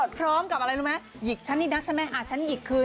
พร้อมกับอะไรรู้ไหมหยิกฉันนี่นักใช่ไหมฉันหยิกคืน